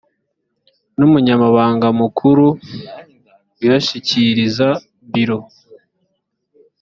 n umunyamabanga mukuru uyashyikiriza biro